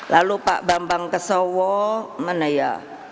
lalu pak bambang kesowo mana ya